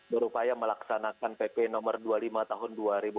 berupaya melaksanakan pp nomor dua puluh lima tahun dua ribu dua puluh